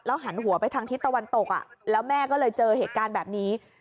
หันหัวไปทางทิศตะวันตกแล้วแม่ก็เลยเจอเหตุการณ์แบบนี้